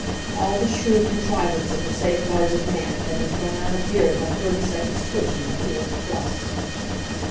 All the shrewd contrivances and safeguards of man had been thrown out of gear by thirty seconds' twitching of the earth crust.